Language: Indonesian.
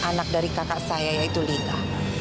anak dari kakak saya yaitu lina